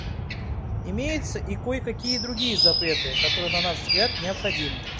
Имеются и кое-какие другие запреты, которые, на наш взгляд, необходимы.